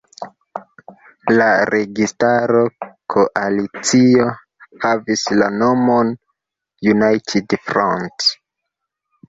La registaro koalicio havis la nomon United Front.